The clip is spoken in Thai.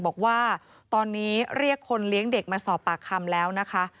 บอกว่าตอนนี้เรียกคนเลี้ยงเด็กมาสอบปากคำแล้วนะคะ